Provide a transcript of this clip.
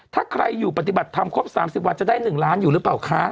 ถ้าใครอยู่ปฏิบัติธรรมครบ๓๐วันจะได้๑ล้านอยู่หรือเปล่าคะ